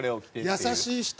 優しい人！